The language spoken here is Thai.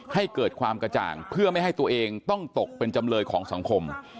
ให้เกิดความกระจ่างเพื่อไม่ให้ตัวเองต้องตกเป็นจำเลยของสังคม